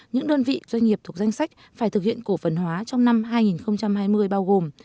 những đơn vị doanh nghiệp thuộc danh sách phải thực hiện cổ phần hóa trong năm hai nghìn hai mươi bao gồm